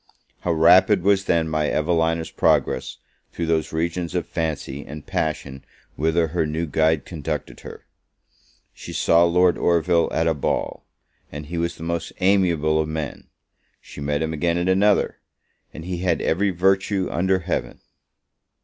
How rapid was then my Evelina's progress through those regions of fancy and passion whither her new guide conducted her! She saw Lord Orville at a ball, and he was the most amiable of men! She met him again at another, and he had every virtue under Heaven!